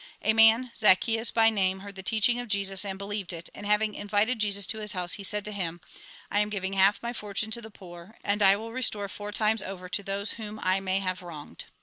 A man, Zacchseus by name, heard the teaching of Jesus, and believed it, and having invited Jesus to his house, he said to him :" I am giving half my fortune to the poor, and I will restore four times over to those whom I may have wronged."